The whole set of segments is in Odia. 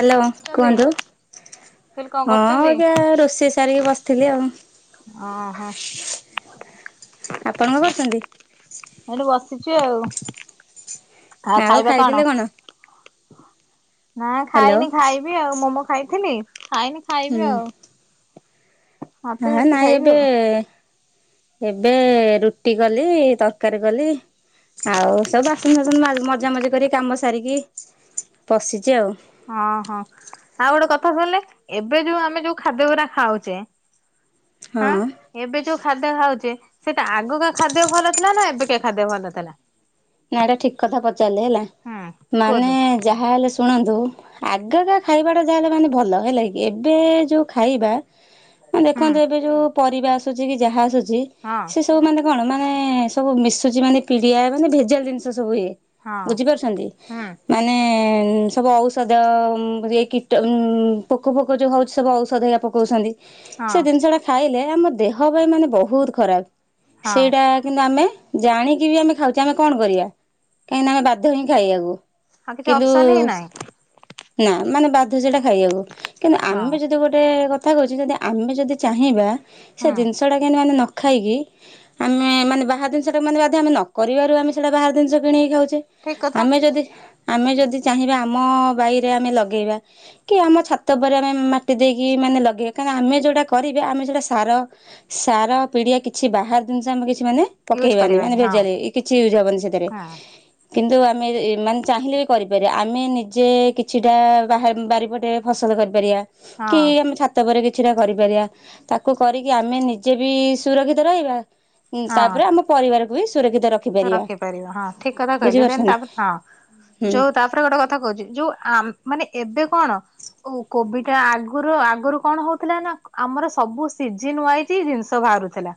ହାଲୋ କରୁଛନ୍ତି କୁହନ୍ତୁ। କହିଲି କଣ ହଁ କରୁଛନ୍ତି? ଅଇକା ରୋଷେଇ ସାରିକି ବସିଥିଲି ଆଉ। ଅଁ ହଁ। ଆପଣ କ କରୁଚନ୍ତି? ଏଇଠି ବସିଚୁ ଆଉ। ଆଉ ଖାଇଥିଲେ କଣ? ନାଁ ହ୍ୟାଲୋ ଖାଇନି ଖାଇବି ଆଉ ମୋମୋ ଖାଇଥିଲି ଖାଇନି ଖାଇବି ଆଉ। ଭାତ ଏ ରୁଟି ନାଇଁ ଖାଇବି ଏବେ ଆଉ ଏବେ ରୁଟି କଲି ତରକାରୀ କଲି। ଆଉ ସବୁ ବାସନ ଫାସନ ମା ମଜା ମଜା କରିକି କାମ ସାରିକି ପଶିଚି ଆଉ। ଅଁ ହଁ ଆଉ ଗୋଟେ କଥା ଶୁଣିଲେ ଏବେ ଯୋଉ ଆମେ ଯୋଉ ଖାଦ୍ୟ ଗୁରା ଖାଉଚେ ହଁ। ଏବେ ଯୋଉ ଖାଦ୍ୟ ଖାଉଚେ ସେଟା ଆଗକା ଖାଦ୍ୟ ଭଲ ଥିଲା ନାଁ ଏବେକା ଖାଦ୍ୟ ଭଲ ଥେଲା? ନାଁ ଏଟା ଠିକ୍ କଥା ପଚାରିଲେ ହେଲା ହୁଁ ମାନେ କୁହନ୍ତୁ ଯାହା ହେଲେ ଶୁଣନ୍ତୁ ଆଗକା ଖାଇବାଟା ଯାହା ହେଲେ ମାନେ ଭଲ ଏବେ ଯୋଉ ଖାଇବା ଉଁ ହୁଁ ଦେଖନ୍ତୁ ଏବେ ଯୋଉ ପରିବା ଆସୁଛି କି ଯାହା ଆସୁଛି ହଁ। ତୁ ମାନେ କଣ ମାନେ ସବୁ ମିଶୁଚି ମାନେ ପିଡ଼ିଆ ମାନେ ଭେଜାଲ୍ ଜିନିଷ ସବୁ ଇଏ। ହଁ ବୁଝିପାରୁଛନ୍ତି? ହୁଁ ମାନେ ସବୁ ଔଷଧ ରି ଏ କିଟ ଉଁ ପୋକ ଫୋକ ଯୋଉ ହଉଛି ସବୁ ଔଷଧ ପକଉଛନ୍ତି ହଁ ସେ ଦିନିଷଟା ଖାଇଲେ ଆମ ଦେହ ପାଇଁ ମାନେ ବହୁତ ଖରାପ। ହଁ। ସେଇଟା କିନ୍ତୁ ଆମେ ଜାଣିକି ବି ଆମେ ଖାଉଚେ ଆମେ କଣ କରିବା କାହିଁକି ନା ଆମେ ବାଧ୍ୟ ହିଁ ଖାଇବାକୁ? ଆଉ କିଛି ଅପସନ୍ ହିଁ ନାହିଁ। ନାଁ ମାନେ ବାଧ୍ୟ ସେଟା ଖାଇବାକୁ କିନ୍ତୁ ହଁ ଆମେ ଯଦି ଗୋଟେ କଥା କହୁଚି ଯଦି ଆମେ ଯଦି ଚାହିଁବା ହୁଁ ସେ ଜିନିଷଟା କେମତି ମାନେ ନ ଖାଇକି ଆମେ ମାନେ ବାହାର ଦିନିଷଟା ମାନେ ବାଧ୍ୟ ଆମେ ନ କରିବାରୁ ଆମେ ସେଟା ବାହାର ଦିନିଷ କିଣିକି ଖାଉଚେ। ଠିକ କଥା ଆମେ ଯଦି ଆମେ ଯଦି ଚାହିଁବା ଆମ ବାଇରେ ଆମେ ଲଗେଇବା। କି ଆମ ଛାତ ଓପରେ ଆମେ ମାଟି ଦେଇକି ମାନେ ଲଗେଇବା କାହିଁ ନା ଆମେ ଯୋଉଟା କରିବା ଆମେ ସେଇଟା ସାର ସାର ପିଡ଼ିଆ କିଛି ବାହାର ଦିନିଷ ଆମେ କିଛି ମାନେ ୟୁଜ ପକେଇବାନି ମାନେ କରିବାନି ହଁ। ଭେଜାରେ ଇଏ କିଛି ୟୁଜ୍ ହବନି ସେଥିରେ। ହଁ କିନ୍ତୁ ଆମେ ଏ ମାନେ ଚାହିଁଲେ ବି କରିପାରିବା ଆମେ ନିଜେ କି ଛିଟା ବାହା ବାରିପଟେ ଫସଲ କରିପାରିବା କି ହଁ ଆମ ଛା ତ ପରେ କିଛିଟା କରିପାରିବା ତାକୁ କରିକି ଆମେ ନିଜେ ବି ସୁରକ୍ଷିତ ରହିବା ଉଁ ତାପରେ ଆମ ପରିବାରକୁ ବି ସୁରକ୍ଷିତ ର ତ ରଖିପାରିବ ହଁ ଠିକ୍ କଥା କହିଲେ ଦେନ୍ ତାକୁ ହଁ ହୁଁ ଯୋଉ ତା ପରେ ଗୋଟେ କଥା କହୁଚି ଯୋଉ ଆ ମାନେ ଏବେ କଣ ଓ କୋବିଟା ଆଗୁରୁ ଆଗୁରୁ କଣ ହୋଉଥିଲା ନାଁ ଆମର ସବୁ ସିଜିନ୍ ୱାଇ ତି ଜିନିଷ ଭାଆରୁଥିଲା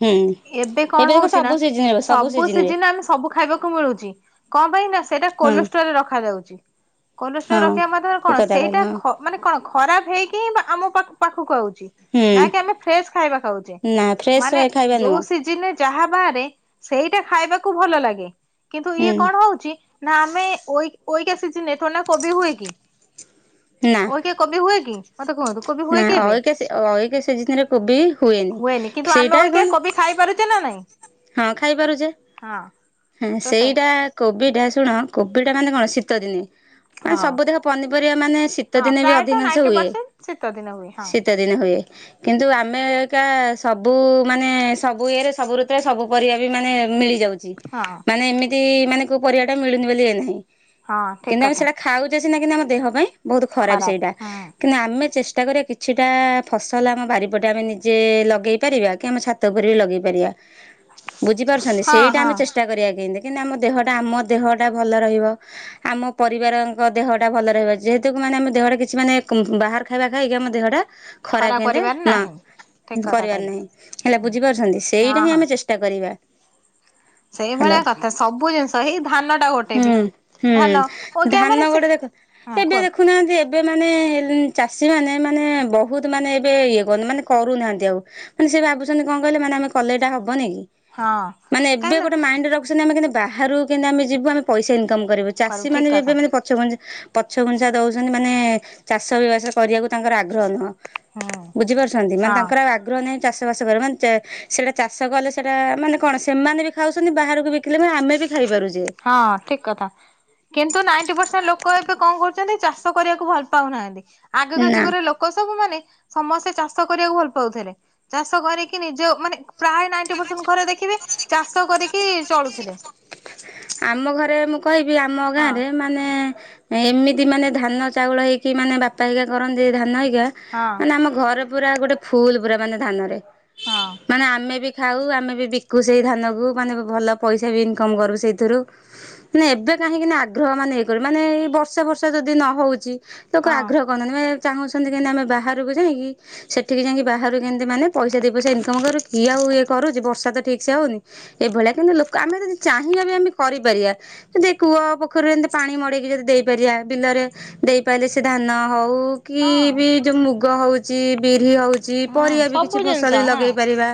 ହୁଁ ଏବେ କଣ ଦେଖ ହଉଚି ନା ସବୁ ସିଜିନରେ ସବୁ ସିଜିନରେ ସିଜିନ୍ ରେ ଆମେ ସବୁ ଖାଇବାକୁ ମିଳୁଚି କଁ ପାଇଁ ନାଁ ସେଇଟା ହଁ କୋଲଷ୍ଟରେ ରଖାଯାଉଚି। କୋଲଷ୍ଟରେ ହଁ ରଖିବା ମାଧ୍ୟରେ ଠିକ କଣ କଥା କହିଲ ସେଇଟା ହଁ ଖ ମାନେ କଣ ଖରାପ ହେଇକି ମ ଆମ ପାଖ୍ ପାଖକୁ ଆଉଚି। ହୁଁ ନାଁ କି ଆମେ ଫ୍ରେଶ୍ ଖାଇବା ଖାଉଚେ ନା ଫ୍ରେଶ ମାନେ ଖାଇବା ଯୋଉ ନୁହଁ ସିଜନ୍ ରେ ଯାହା ବାହାରେ ସେଇଟା ଖାଇବାକୁ ଭଲ ଲାଗେ କିନ୍ତୁ ହୁଁ ଇଏ କଣ ହଉଚି ନାଁ ଆମେ ଓଇ ଓଇକା ସିଜିନ୍ ରେ ଥୋଡ଼ିନା କୋବି ହୁଏ କି? ନାଁ। କିଏ କୋବି ହୁଏ କି ମତେ କୁହନ୍ତୁ। କୋବି ହୁଏ ନାଁ କି ଏବେ ଅଇକା ସେ ଅଇକା ସିଜିନିରେ କୋବି ହୁଏନି ସେଇଟା କଣ ତି ନା ନାଇଁ? ହଁ, ଖାଇପାରୁଛେ। ହଁ। ହଁ, ତ ସେ ସେଇଟା କୋବିଟା ଶୁଣ କୋବିଟା ମାନେ କଣ ଶୀତ ଦିନେ ମାନେ ହଁ। ସବୁ ତିକ ପନିପରିବା ମାନେ ଶୀତ ହଁ ଦିନେ ବି ପ୍ରାୟତଃ ଅଧିକାଂଶ ନାଇଣ୍ଟି ହୁଏ, ପରସେଣ୍ଟ ଶୀତ ଦିନ ହୁଏ ହଁ ଶୀତ ଦିନେ ହୁଏ। କିନ୍ତୁ ଆମେ ଏକା ସବୁ ମାନେ ସବୁ ଇଏରେ ସବୁ ଋତୁରେ ସବୁ ପରିବା ବି ମାନେ ମିଳିଯାଉଛି। ହଁ। ମାନେ ଏମିତି ମାନେ କୋଉ ପରିବାଟା ମିଳୁନି ବୋଲି ଇଏ ନାହିଁ, ହଁ ଠିକ କିନ୍ତୁ ଆମେ କଥା। ସେଟା ଖାଉ ଖାଉଛେ ସିନା କିନ୍ତୁ ଆମ ଦେହ ପାଇଁ ବହୁତ ଖରାପ ସେଇଟା। [inaudible] ଆମେ ଚେଷ୍ଟା କରିବା କିଛିଟା ଫସଲ ଆମ ବାରିପଟେ ଆମେ ନିଜେ ଲଗେଇ ପାରିବା, କି ଆମ ଛା ଛାତ ଉପରେ ବି ଲଗେଇ ପାରିବା। ଆ ବୁଝିପାରୁଛନ୍ତି ସେଇଟା ଆମେ ଚେଷ୍ଟା କରିବା କେମିତି, କେମିତି ଆମ ଦେହଟା ଆମ ଦେହଟା ଭଲ ରହିବ। ଆମ ପରିବାରଙ୍କ ଦେହ ଟା ଭଲ ରହିବ, ଯେହେତୁ କି ମାନେ ଆମ ଦେହରେ କିଛି ମାନେ ବାହାର ଖାଇବା ଖାଇକି ଆମ ଦେହଟା ଖରାପ କେମିତି କରିବାର ନା ନାହିଁ ଠିକ କଥା କରିବାର କହିଲେ। ନାହିଁ, ହେଲା ବୁଝିପାରୁଛନ୍ତି ହଁ ସେଇଟା ହିଁ ଆମେ ଚେଷ୍ ଚେଷ୍ଟା କରିବା। ସେଇ ହ୍ୟାଲୋ ଭଳିଆ କଥା ସବୁ ଜିନିଷ ହେଇ ଧାନ ଟା ଗୋଟେ ବି ହୁଁ ହୁଁ ଧାନ ଓ କିଆ ଧାନ ମାନେ ସେ, ଗୋଟେ ଦେଖ ହଁ ଏବେ କୁହନ୍ତୁ। ଦେଖୁନାହାନ୍ତି ଏବେ ମାନେ ଚାଷୀମାନେ ମାନେ ବହୁତ ମାନେ ଏବେ ଇଏ କରଛନ୍ତି, ମାନେ କରୁନାହାନ୍ତି ଆଉ। ମାନେ ସେ ଭାବୁଛନ୍ତି କଣ କହିଲେ ମାନେ ଆମେ କଲେ ଏଇଟା ହବନି କି, ହଁ ମାନେ କାହିଁକି ଏବେ ଗୋଟେ ମାଇଣ୍ଡ ର ରଖୁଛନ୍ତି ଆମେ କେମିତି ବାହାରୁକୁ କେମିତି ଆମେ ଯିବୁ ଆମେ ପଇସା ଇନକମ କରିବୁ, ନା ଠିକ ଚାଷୀମାନେ ବି ଏବେ କଥା ମାନେ ପ ପଛଘୁଞ୍ଚା ପଛଘୁଞ୍ଚା ଦଉଛନ୍ତି ମାନେ ଚାଷବାସ କରିବାକୁ ତାଙ୍କର ଆଗ୍ରହ ନୁହଁ। ହୁଁ ବୁଝିପାରୁଛନ୍ତି ମାନେ ହଁ ତାଙ୍କର ଆଉ ଆ ଆଗ୍ରହ ନାହିଁ ଚାଷବାସ କରିବାକୁ ମାନେ ଚେ, ସେଟା ଚାଷ କଲେ ସେଟା ମାନେ କଣ ସେମାନେ ବି ଖାଉଛନ୍ତି ବାହାରକୁ ବି ବିକିଲେ ଆମେ ବି ଖାଇପାରୁଛେ। ହଁ, ଠିକ୍ କଥା। କିନ୍ତୁ ନାଇଣ୍ଟି ପରସେଣ୍ଟ ଲୋକ ଏବେ କଣ କରୁଛନ୍ତି ଚାଷ କରିବାକୁ ଭଲ ପାଉନାହାନ୍ତି, ଆଗକା ନା ଯୁଗରେ ଲୋ ଲୋକ ସବୁ ମାନେ ସମସ୍ତେ ଚାଷ କରିବାକୁ ଭଲ ପାଉଥିଲେ। ଚାଷ କରିକି ନିଜ ମାନେ ପ୍ରାୟ ନାଇଟି ପରସେଣ୍ଟ ଘରେ ଦେଖିବେ ଚାଷ କରିକି ଚଳୁଥିଲେ। ଆମ ଘରେ ମୁଁ କହିବି ଆମ ହଁ ଗାଁରେ ମାନେ ଏମିତି ମାନେ ଧାନ ଚାଉଳ ହେଇକି ମାନେ ବାପା ହେରିକା କରନ୍ତି ଧାନ ହେରିକା ହଁ ମାନେ ଆମ ଘର ପୁରା ଗୋଟେ ଫୁଲ୍ ପୁରା ମାନେ ଧାନରେ। ହଁ। ମାନେ ଆମେ ବି ଖାଉ ଆମେ ବି ବିକୁ ସେଇ ଧାନକୁ, ମାନେ ଭଲ ପଇସା ବି ଇନକମ କରୁ ସେଇ ଥିରୁ, ନେ ଏବେ କାହିଁକିନା ଆଗ୍ରହ ମାନେ ହେଇ କରିବ ମାନେ ଏଇ ବର୍ଷା ବର୍ଷା ଯଦି ନ ହଉଛି ଲୋକ ହଁ ଆଗ୍ରହ କରୁନାହାନ୍ତି ମାନେ ଚାହୁଁଛନ୍ତି କେମତି ଆମେ ବାହାରକୁ ଯାଇକି ସେଠିକି ଯାଇଁକି ବାହାରୁ କେମିତି ମାନେ ପଇସା ଦି ପଇସା ଇନକମ୍ କରୁ, କିଏ ଆଉ ଇଏ କରୁଚି ବର୍ଷା ତ ଠିକ୍ ସେ ହଉନି ଏଇଭଳିଆ କିନ୍ତୁ ଲୋକ ଆମେ ଯଦି ଚାହିଁବା ବି ଆମେ କରିପାରିବା। ଯଦି କୂଅ ପୋଖରୀରୁ ଏମିତି ପାଣି ମଡେଇକି ଯଦି ଦେଇପାରିବା ବିଲରେ ଦେଇପାରିଲେ ସେ ଧାନ ହଉ କି ହଁ ବି ଯୋଉ ମୁଗ ହଉଛି ବିରି ହଉ ଚି ହୁଁ ପରିବା ବି ସବୁ କିଛି ଜିନିଷ ଫସଲ ବି ହଁ ଲଗେଇ ପାରିବା।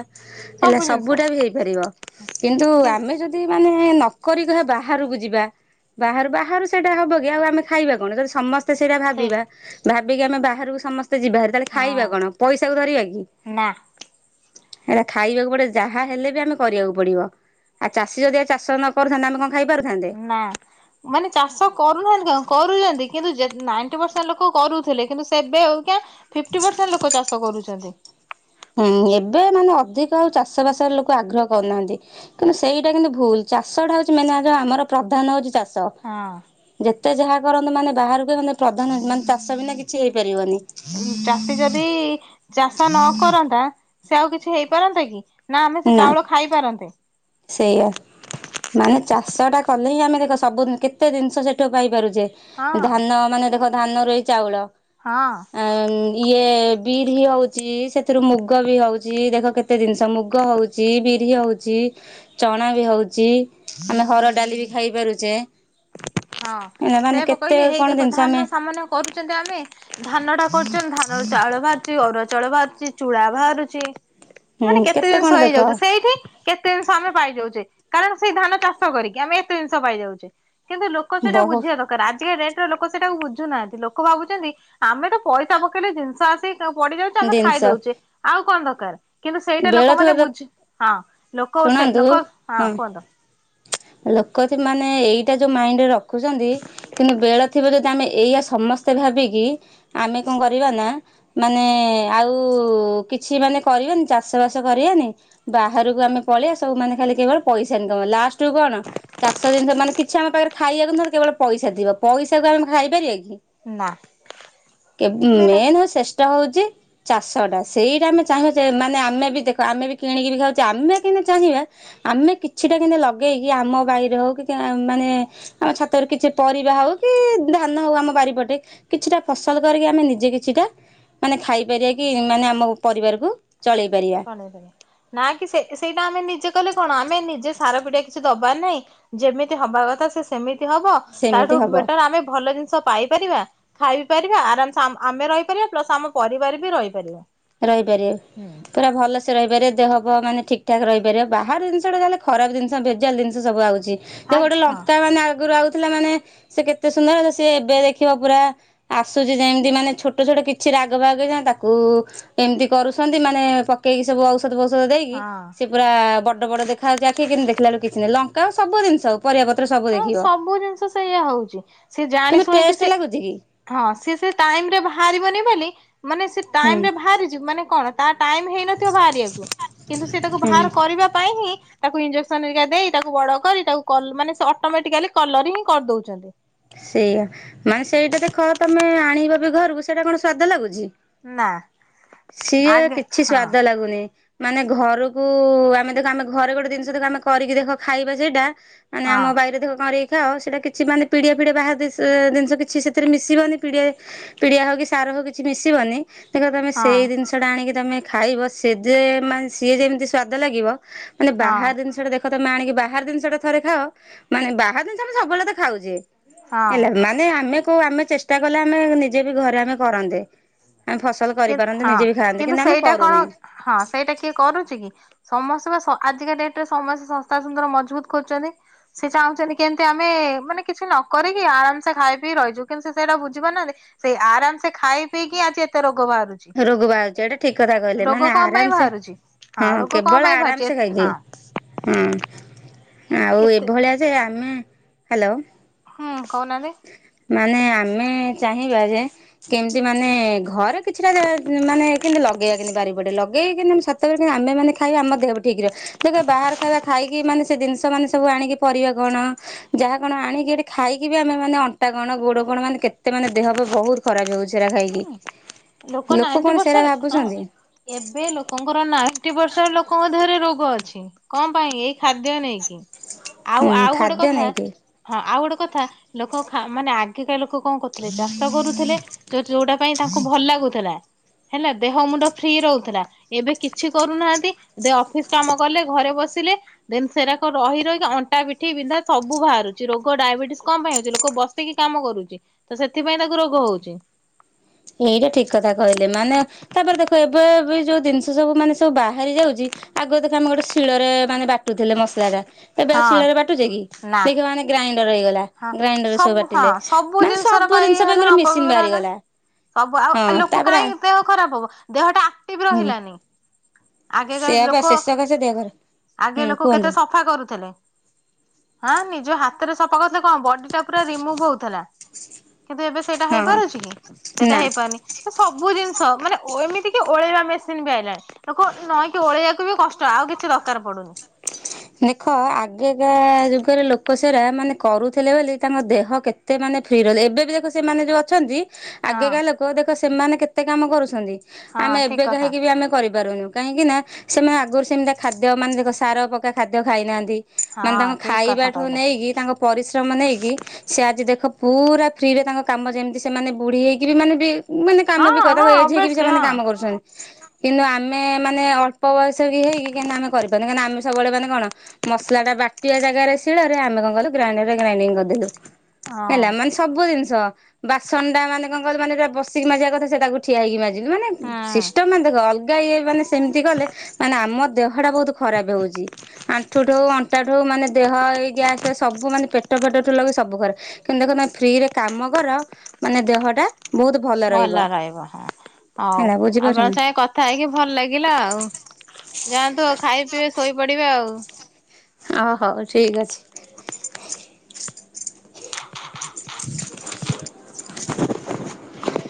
ହେଲା ସବୁ ଜିନିଷ। ସବୁଟା ବି ହେଇପାରିବ କିନ୍ତୁ କି ଆମେ ଯଦି ମାନେ ନ କରି କହିବା ବାହାରକୁ ଯିବା ବାହାରୁ ବାହାରୁ ସେଇଟା ହବ କି ଆଉ ଆମେ ଖାଇବା କଣ ଯଦି ସମ ସ୍ତେ ସେଇଟା ଠିକ ଭାବିବା ଭାବିକି ଆମେ ବାହାରକୁ ସମସ୍ତେ ଯିବା ହାରି ତାହଲେ ଖାଇବା କଣ, ହଁ ପଇସା କୁ ଧରିବା କି? ନା ହେରା ଖାଇବାକୁ ପଡେ ଯାହା ହେଲେ ବି ଆମେ କରିବାକୁ ପଡିବ, ଆ ଚାଷୀ ଯଦି ଚାଷ ନ କରୁଥାନ୍ତେ ଆମେ କଣ ଖାଇପାରୁଥାନ୍ତେ? ନା। ମାନେ ଚାଷ କରୁନାହାନ୍ତି କଣ କରୁଛନ୍ତି କିନ୍ତୁ ଯେ ନାଇଣ୍ଟି ପରସେଣ୍ଟ ଲୋକ କରୁଥିଲେ କିନ୍ତୁ ସେବେ ଆଉ ଆଜ୍ଞା ଫିଫ୍ଟୀ ପରସେଣ୍ଟ ଲୋକ ଚାଷ କରୁଛନ୍ତି। ହୁଁ ଏବେ ମାନେ ଅଧିକ ଆଉ ଚାଷ ବାସରେ ଲୋକ ଆଗ୍ରହ କରୁନାହାନ୍ତି। କିନ୍ତୁ ସେଇଟା କିନ୍ତୁ ଭୁଲ ଚାଷଟା ହଉଛି ମେନ୍ ଆଗେ ଆମର ପ୍ରଧାନ ହଉଛି ଚାଷ। ହଁ। ଯେତେ ଯାହା କରନ୍ତୁ ମାନେ ବାହାରକୁ ମାନେ ପ୍ରଧାନ ମାନେ ଚାଷ ବିନା କିଛି ହେଇପାରିବନି। ଉ ଚାଷୀ ଯଦି ଚାଷ ନ କରନ୍ତା ସେ ଆଉ କିଛି ହେଇପାରନ୍ତା କି। ନା ଆମେ ସେ ଚାଉଳ ଖାଇପାରନ୍ତେ। ସେଇଆ ମାନେ ଚାଷଟା କଲେ ହିଁ ଆମେ ଦେଖ ସବୁ ନ କେତେ ଜିନିଷ ସେଇଠୁ ପାଇପାରୁଛେ। ହଁ ଧାନ ମାନେ ଦେଖ ଧାନ ରୁ ହି ଚାଉଳ। ହଁ। ଆ ଇଏ ବିରି ହଉଛି ସେଥିରୁ ମୁଗ ବି ହଉଛି ଦେଖ କେତ ତେ ଜିନିଷ ମୁଗ ହଉଛି ବିରି ହଉଛି ଚଣା ବି ହଉଛି ଆମେ ହରଡ ଡାଲି ବି ଖାଇ ପାରୁଚେ। ହଁ। ସେୟା ପା କହିଲି ହେଇ କଣ ଦେଖ ଜିନିଷ ଆମେ ଧାନ ସାମାନ୍ୟ କରୁଛନ୍ତି ଆମେ ଧାନ ଟା କରୁଛନ୍ତି ଧାନରୁ ଚାଉଳ ବାହାରୁ ଚି ଅରୁଆ ଚାଉଳ ବାହାରୁଛି ଚୂଡା ବାହାରୁଛି ହୁଁ ମାନେ କେତେ କଣ ଜିନିଷ ଦେଖ ହେଇଯାଉଛି ସେଇଠି କେତେ ଜିନିଷ ଆମେ ପାଇ ଯାଉଛେ କାରଣ ସେଇ ଧାନ ଚାଷ କରିକି ଆମେ ଏତେ ଜିନିଷ ପାଇ ଯାଉଛେ। କିନ୍ତୁ ଲୋକ ସେଇଟା ବୁଝିବା ବହୁତ ଦକା ର ଆଜିକା ଡେଟରେ ଲୋକ ସେଟାକୁ ବୁଝୁନାହାନ୍ତି ଲୋକ ଭାବୁଛନ୍ତି ଆମେ ତ ପଇସା ପକେଇଲେ ଜିନିଷ ଆସି କି ପଡିଯାଉଛି ଆମେ ଖାଇ ଜିନିଷ ଦଉଛେ ଆଉ କଣ ଦରକାର। କିନ୍ତୁ ସେଇଟା ବେଳ ଲୋକମାନେ ଥିବ ବୁଝ ହଁ ଲୋକ ସେ ଶୁଣନ୍ତୁ ଲୋକ ହଁ କୁହନ୍ତୁ। ଲୋକ ଯେ ମାନେ ଏଇଟା ଯୋଉ ମାଇଣ୍ଡରେ ରଖ ଖୁଛନ୍ତି କିନ୍ତୁ ବେଳ ଥିବ ଯଦି ଆମେ ଏଇଆ ସମସ୍ତେ ଭାବିକି ଆମେ କଣ କରିବା ନା ମାନେ ଆଉ କିଛି ମାନେ କରିବାନି ଚାଷ ଷବାସ କରିବାନି ବାହାରକୁ ଆମେ ପଳେଇବା ସବୁ ମନେ ଖାଲି କେବଳ ପଇସା ଇନକମ ଲାଷ୍ଟକୁ କଣ ଚାଷ ଜିନିଷ ମାନେ କିଛି ଆମ ପାଖରେ ଖାଇବାକୁ ନହ କେବଳ ପଇସା ଥିବ ପଇସାକୁ ଆମେ ଖାଇପାରିବା କି? ନା କେ ସେଇଟା ମେନ୍ ହୋଉଛି ସେସ୍ ଷ୍ଟ ହୋଉଛି ଚାଷଟା ସେଇଟା ଆମେ ଚାହିଁବା ଯେ ମାନେ ଆମ ମେ ବି ଦେଖ ଆମେ ବି କିଣିକିରି ଖାଉଛେ ଆମେ କିମିତି ଚାହିଁବା ଆମେ କିଛିଟା କିମିତି ଲଗେଇକି ଆମ ବାଇରେ ହଉ କି ଆ ମାନେ ଆମ ଛାତରେ କିଛି ପରିବା ହଉ କି ଧାନ ହଉ ଆମ ବାରିପଟେ କିଛିଟା ଫସଲ କରିକି ଆମେ ନିଜେ କିଛିଟା ମାନେ ଖାଇପାରିବା କି ମାନେ ଆମ ପରିବାରକୁ ଚଳେଇ ପାରିବା। ନା କି ସେ ସେଇଟା ଆମେ ନିଜେ କଲେ କଣ ଆମେ ନିଜେ ସାର ପିଡିଆ କିଛି ଦବାର ନାହିଁ ଯେମିତି ହବା କଥା ସେ ସେମିତି ହବ ତାଠୁ ସେମିତି ହବ। ବେଟର ଆମେ ଭଲ ଜିନିଷ ପାଇପାରିବା ଖାଇ ପାରିବା ଆରାମସ ଆମ୍ ଆମେ ରହିପାରିବା ପ୍ଲସ ଆମ ପରିବାର ବି ରହିପାରିବା। ରହିପାରିବ ପୁରା ଭଲ ସେ ରହିପାରିବ ଦେହ ପେହ ମାନେ ଠିକ ଠାକ ରହିପାରିବ ବାହାର ଜିନିଷଟା ଯାହେଲେ ଖରାପ ଜିନଷ ଭେଜାଲ ଜିନିଷ ସବୁ ଆଉଚି। ଦେଖ ହଁ ଗୋଟେ ଲଙ୍କା ହଁ ମାନେ ଆଗରୁ ଆଉଥିଲା ମାନେ ସେ କେତେ ସୁନ୍ଦର ସିଏ ଏବେ ଦେଖିବ ପୁରା ଆସୁଛି ଯେମିତି ମାନେ ଛୋଟ ଛୋଟ କିଛି ରାଗ ଫାଗ କିଛି ନା ତାକୁ ଏମିତି କରୁଛନ୍ତି ମାନେ ପକେଇକି ସବୁ ଔଷଧ ଫୌଷଧ ଦେଇକି ସେ ପୁରା ବଡ ବଡ ଦେଖାଯାଉଛି ଆଖି କିି ଦେଖିଲା ବେଳୁ କିଛି ନାହିଁ ଲଙ୍କା ଆ ସବୁ ଜିନିଷ ପରିବା ପତ୍ର ସବ୍ ହଁ ସବୁ ଜିନିଷ ସେ ସେଇଆ ହଉଛି ସିଏ ଜାଣି କିନ୍ତୁ ଶୁଣିକି ଟେଷ୍ଟ ସି ଲାଗୁଛି କି ହଁ ସିଏ ସେ ଟାଇମ ରେ ବାହାରିବନି ବୋଲି ମାନେ ସେ ଟାଇମ ହୁଁ ରେ ବାହାରିଯି ମାନେ କଣ ତା ଟାଇମ ହେଇନଥିବ ବାହାରିବାକୁ କିନ୍ତୁ ସେ ତାକୁ ହୁଁ ବାହାର କରିବା ପାଇଁ ହିଁ ତାକୁ ଇଂଜେକ୍ସନ୍ ହେରିକା ଦେଇ ତାକୁ ବଡ କରି ତାକୁ କଲ୍ ମାନେ ସେ ଅଟ୍ ମେଟିକାଲି କଲର ହିଁ କରିଦଉଛନ୍ତି। ସେଇଆା ମାନେ ସେଇଟା ଦେଖ ତମେ ଆଣିବ ବି ଘରକୁ ସେଇଟା କଣ ସ୍ଵାଦ ଲାଗୁଛି। ନା ସିଏ ଆଗେ କିଛି ହଁ ସ୍ଵାଦ ଲାଗୁନି। ମାନେ ଘରୁକୁ ଆମେ ଦେଖ ଆମେ ଘରେ ଗୋଟେ ଦିନଷ ଦେଖ ଆମେ କରିକି ଦେଖ ଖାଇବା ସେଇଟା ମାନେ ହଁ ଆମ ବାଇରେ ଦେଖ କରିକି ଖାଅ ସେଟା କିଛି ମାନେ ପିଡ଼ିଆ ଫିଡ଼ିଆ ବାହାର ଦିଷ ଅ ଦିନଷ କିଛି ସେଥିରେ ମିଶିବନି ପିଡ଼ିଆ ପିଡିଆ ହୋଉ କି ସାର ହୋଉ କିଛି ମିଶିବନି ଦେଖିବ ତମେ ହଁ ସେଇ ଦିନଷଟା ଆଣିକି ତମେ ଖାଇବ ସେ ଦେ ମାନେ ସିଏ ଯେମତି ସ୍ଵାଦ ଲାଗିବ ମାନେ ବାହାର ହଁ ଦିନଷଟା ଦେଖ ତମେ ଆଣିକି ବାହାର ଦିନଷଟା ଥରେ ଖାଅ ମାନେ ବାହାର ଦିନଷ ଆମେ ସବୁବେଳେ ତ ଖାଉଚେ ହଁ। ହେଲା ମାନେ ଆମେ କୋଉ ଆମେ ଚେଷ୍ଟା କଲେ ଆମେ ନିଜେ ବି ଘରେ ଆମେ କରନ୍ତେ। ଆମେ ଫସଲ କି କରିପାରନ୍ତେ ହଁ ନିଜେ ବି ଖାଆନ୍ତି କିନ୍ତୁ ଆମେ ସେଇଟା କଣ କରୁନେ। ହଁ ସେଇଟା କିଏ କରୁଚି କି? ସମସ୍ତେ ପା ସ ଆଜିକା ଡେଟରେ ସମସ୍ତେ ସସ୍ତା ସୁନ୍ଦର ମଜବୁତ ଖୋଜୁଚନ୍ତି। ସେ ଚାହୁଁଚନ୍ତି କେମତି ଆମେ ମାନେ କିଛି ନ କରିକି ଆରାମ ସେ ଖାଇ ପିଇ ରହିଯିବୁ କିନ୍ତୁ ସେଇଟା ବୁଝି ପାରୁନାହାନ୍ତି ସେଇ ଆରାମ ସେ ଖାଇ ପିଇକି ଆଜି ଏତେ ରୋଗ ବାହାରୁ ରୋଗ ବାହାରୁଚି ଏଇଟା ଠିକ କଥା କହିଲେ ମାନେ କଣ ପାଇଁ ଆରାମସେ ବାହାରୁଛି? ହଁ ରୋଗ କଣ କେବଳ ପାଇଁ ବାହାରୁଛି ଆରାମସେ ଖାଇକି ହଁ ହଁ ଆଉ ଏତେ ଏଭଳିଆ ଯେ ଆମେ ହାଲୋ ହୁଁ କହୁନାହାନ୍ତି। ମାନେ ଆମେ ଚାହିଁବା ଯେ କେମତି ମାନେ ଘ ଏ କିଛିଟା ଯେ ମାନେ କେମତି ଲଗେଇବା କେମତି ବାରି ପଟେ ଲଗେଇକି କେ [unintelligible] ଆମେମାନେ ଖାଇବା ଆମ ଦେହ ହବ ଠିକ ର ଦେଖ ବାହାର ଖାଇବା ଖାଇକି ମାନେ ସେ ଜିନଷ ମାନେ ସବୁ ଆଣିକି ପରିବା କଣ ଯାହା କଣ ଆଣିକି ଏଠି ଖାଇକି ବି ଆମେ ମାନେ ଅଣ୍ଟା କଣ ଗୋଡ କଣ ମାନେ କେତେ ମାନେ ଦେହପାଆ ବୋହୁତ ଖରାପ ହୋଉଚି ସେରା ଖାଇକି ଲୋକ ନାଇଣ୍ଟି କଣ ସେରା ପରସେଣ୍ଟ ହଁ ଭାବୁଛନ୍ତି। ଏବେ ଲୋକଙ୍କର ନାଇଣ୍ଟି ପର୍ସେଣ୍ଟ ଲୋକଙ୍କ ଦେହରେ ରୋଗ ଅଛି। କଣ ପାଇଁ ଏଇ ଖାଦ୍ୟ ନେଇକି ଆଉ ହୁଁ ଆଉ ଗୋଟେ ଖାଦ୍ୟ କଥା ନେଇକି ହଁ ଆଉ ଗୋଟେ କଥା ଲୋକ ଖା ମାନେ ଆଗେକା ଲୋକ କଣ କରୁଥିଲେ ଚାଷ କରୁଥୁଲେ ଯୋଉ ଯୋଉଟା ପାଇଁ ତାଙ୍କୁ ଭଲ ଲାଗୁଥିଲା ହେଲା ଦେହ ମୁଣ୍ଡ ଫ୍ରି ରହୁଥିଲା ଏବେ କିଛି କରୁନାହାନ୍ତି ଦେ ଅଫିସ କାମ କଲେ ଘରେ ବସିଲେ ଦେନ ସେରାକ ରହି ରହିକା ଅଣ୍ଟାି ପିଠି ବିନ୍ଧା ସବୁ ବାହାରୁଚି ରୋଗ ଡାଇବେଟିସ୍ କଣ ପାଇଁ ହୋଉଚି ଲୋକ ବସ୍ ସିକି କାମ କରୁଚି ତ ସେଥିପାଇଁ ତାକୁ ରୋଗ ହୋଉଚି। ଏଇଟା ଠିକ କଥା କହିଲେ ମାନେ ତାପରେ ଦେଖ ଏବେ ବି ଯୋଉ ଜିନଷ ସବୁ ମାନେ ସବୁ ବାହାରି ଯାଉଚି ଆଗ ଦେଖ ଆମେ ଗୋଟେ ଶିଳରେ ମାନେ ବା ଟୁଥୁଲେ ମସଲାଟା ଏବେ ଆଉ ହଁ ଶିଳରେ ବାଟୁଚେ କି ନା ଦେଖିବ ମାନେ ଗ୍ରାଇଣ୍ଡର ହେଇଗଲା ହଁ ଗ୍ରାଇଣ୍ଡରରେ ସବୁ ହଁ ବାଟିଲେ ସବୁ ମାନେ ଜିନିଷର ସବୁ ଜିନଷ ପାଇଁ ହେଲା ଗୁରେ ମେସିନ ଅପବ୍ୟବହାର ହେଲା। ବାହାରିଗଲା। ସବୁ ଆଉ ଆଉ ହଁ ଲୋକ ତାପରେ କାହିଁ ଦେହ ଖରାପ ହବ ଦେହଟା ଆକ୍ଟିଭ ହୁଁ ରହିଲାନି। ଆଗେକା ସେଆ ବା ଲୋକ ଶେଷ କଥା ଦେହ ଖରାପ ଆଗେ ହୁଁ ଲୋକ କେତେ କୁହନ୍ତୁ ସଫା କରୁଥିଲେ ହଁ ନିଜ ହାତରେ ସଫା କରୁଥିଲେ କଣ ବଡିଟା ପୁରା ରିମୁଭ୍ ହୋଉଥଲା। କିନ୍ତୁ ଏବେ ସେଇଟା ହଁ ହେଇପାରୁଚି କି ସେଇଟା ନା ହେଇପାରୁନି। ତ ସବୁ ଜିନିଷ ମାନେ ଓ ଏମିତି କି ଓଳେଇବା ମେସିନ ବି ଆଇଲାଣି। ଲୋକ ନଇଁକି ଓଳେଇବାକୁ ବି କଷ୍ଟ ଆଉ କିଛି ଦରକାର ପଡୁନି। ଦେଖ ଆଗେକା ଯୁଗରେ ଲୋକ ସେରା ମାନେ କରୁଥିଲେ ବୋଲି ତାଙ୍କ ଦେହ କେ ତେ ମାନେେ ଫ୍ରି ରହିଲେ ଏବେ ବି ଦେଖ ସେମାନେ ଯୋଉ ଅଛନ୍ତି ହଁ ଆଗେକା ଲୋକ ଦେଖ ସେମାନେ କେତେ କାମ କରୁଛନ୍ତି ହଁ ଆମେ ଠିକ ଏବେକା କଥା ହେଇକି ବି ଆମେ କରିପାରୁନୁ। କାହିଁକିନା ସେମାନେ ଆଗରୁ ସେମିତିଆ ଖାଦ୍ୟ ମାନେ ଦେଖ ସାର ପକା ଖାଦ୍ୟ ଖାଇନାହାନ୍ତି ମାନେ ତାଙ୍କ ହଁ ଠିକ କଥା ଖାଇବାଠୁ କହିଲେ। ନେଇକି ତାଙ୍କ ପରିଶ୍ରମ ନେଇକି ସେ ଆଜି ଦେଖ ପୁରା ଫ୍ରିରେ ତାଙ୍କ କାମ ଯେମତି ସେମାନେ ବୁଢୀ ହେଇକି ବି ମାନେ ବି ମାନେ କାମ ବି ହଁ କ ହଁ ତାଙ୍କ ଏଜ ହେଇକି ବି ଅଭିଅସଲି ସେମାନେ ହଁ କାମ କରୁଛନ୍ତି କିନ୍ତୁ ଆମେ ମାନେ ଅ ଳ୍ପ ବୟସ ବି ହେଇକି କିନ୍ତୁ ଆମେ କରିପାରୁନେ କାଁଇକି ନା ଆମେ ସବୁବେଳେ ମାନେ କଣ ମସଲାଟା ବାଟିବା ଜାଗାରେ ଶିଳରେ ଆମେ କଣ କଲୁ ଗ୍ରାଇଣ୍ଡରରେ ଗ୍ରାଇଡିଂ କରିଦେଲୁ। ହଁ ହେଲା ମାନେ ସବୁ ଜିନିଷ ବାସନଟା ମାନେ କଣ କହିଲ ମାନେ ଏଟା ବସିକି ମାଜିବା କଥା ସେ ତାକୁ ଠିଆ ହେଇକି ମା ଜିଲୁ ମାନେ ହୁଁ ସିଷ୍ଟମ ମାନେ ଦେଖ ଅଲଗା ଇଏ ମାନେ ସେମତି କଲେ ମାନେ ଆମ ଦେହଟା ବୋହୁତୁ ଖରାପ ହୋଉଚ ଆଣ୍ଠୁଠୁ ଅଣ୍ଟାଠୁ ମାନେ ଦେହ ଏଇ ଗ୍ୟାସ ଫ୍ୟାସ୍ ସବୁ ମାନେ ପେଟ ଫେଟଠୁ ଲାଗେଇ ସବୁ ଘରେ କିନ୍ତୁ ଦେଖ ତମେ ଫ୍ରିରେ କାମ କର ମାନେ ଦେହଟା ବହୁତ୍ ଭଲ ରହିବ ହଁ ହଉ ହେଲା ଆପଣଙ୍କ ବୁଝିପାରୁଛନ୍ତି ସାଙ୍ଗେ କ ଥାଇକି ଭଲ ଲାଗିଲା ଆଉ ଯାଆନ୍ତୁ ଆଉ ଖାଇ ପିଇ ଶୋଇପଡିବେ ଆଉ। ଓ ହଉ ଠିକ୍ ଅଛି। [inaudible]